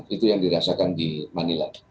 itu yang saya rasakan di manila